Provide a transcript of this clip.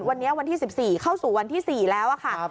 วันนี้วันที่สิบสี่เข้าสู่วันที่สี่แล้วอ่ะค่ะ